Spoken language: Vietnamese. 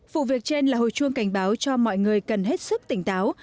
vụ việc trên là hồi chuông cảnh báo cho mọi người cần hết sức tỉnh táo